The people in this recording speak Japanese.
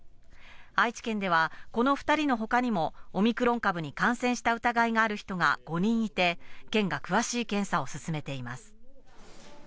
愛知県では、この２人の他にもオミクロン株に感染した疑いがある人が５人いて県が詳しい検査を進めています。